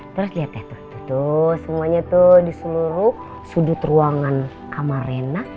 terus liat ya tuh semuanya tuh di seluruh sudut ruangan kamar rena